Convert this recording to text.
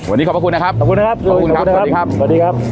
วันนี้ขอบคุณนะครับขอบคุณนะครับสวัสดีครับสวัสดีครับ